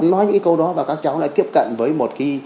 nói những câu đó và các cháu lại tiếp cận với một